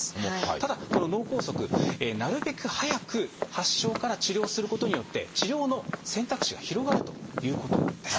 ただこの脳梗塞なるべく早く発症から治療することによって治療の選択肢が広がるということなんです。